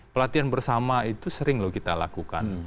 pelatihan bersama itu sering loh kita lakukan